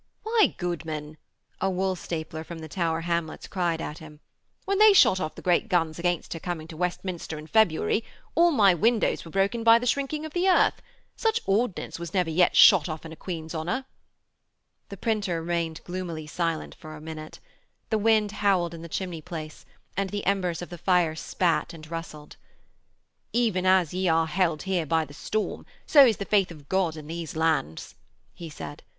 'Why, goodman,' a woolstapler from the Tower Hamlets cried at him, 'when they shot off the great guns against her coming to Westminster in February all my windows were broken by the shrinking of the earth. Such ordnance was never yet shot off in a Queen's honour.' The printer remained gloomily silent for a minute; the wind howled in the chimney place, and the embers of the fire spat and rustled. 'Even as ye are held here by the storm, so is the faith of God in these lands,' he said.